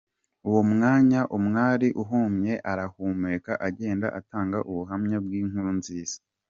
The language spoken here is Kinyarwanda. " Uwo mwanya uwari uhumye arahumuka agenda atanga ubuhamya bw’inkuru nziza.